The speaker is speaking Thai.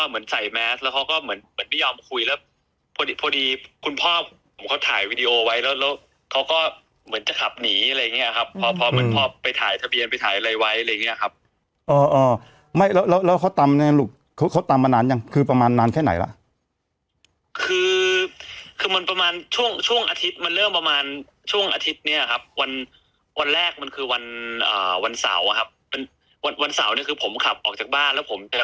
เหมือนจะขับหนีอะไรอย่างเงี้ยครับพอพอเหมือนพอไปถ่ายทะเบียนไปถ่ายอะไรไว้อะไรอย่างเงี้ยครับอ๋ออ๋อไม่แล้วแล้วแล้วแล้วเขาตามเนี้ยลูกเขาเขาตามมานานยังคือประมาณนานแค่ไหนล่ะคือคือมันประมาณช่วงช่วงอาทิตย์มันเริ่มประมาณช่วงอาทิตย์เนี้ยครับวันวันแรกมันคือวันอ่าวันเสาร์อะคร